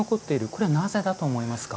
これはなぜだと思いますか。